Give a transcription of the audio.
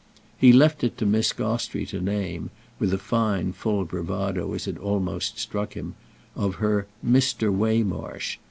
He left it to Miss Gostrey to name, with the fine full bravado as it almost struck him, of her "Mr. Waymarsh!"